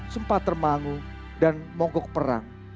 sempat termangu dan monggok perang